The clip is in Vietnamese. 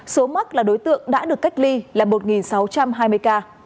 số mắc là đối tượng đã được cách ly là một sáu trăm hai mươi ca